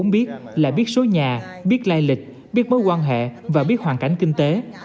biết là biết số nhà biết lai lịch biết mối quan hệ và biết hoàn cảnh kinh tế